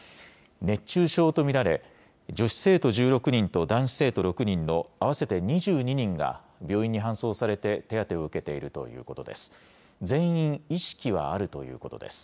熱中症と見られ、女子生徒１６人と男子生徒６人の合わせて２２人が、病院に搬送されて、手当てを受けているということです。